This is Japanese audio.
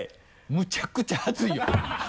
むちゃくちゃ熱いよ。